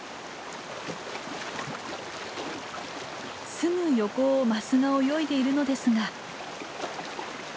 すぐ横をマスが泳いでいるのですが。